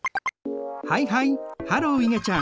はいはいハローいげちゃん。